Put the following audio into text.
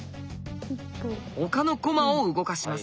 他の駒を動かします。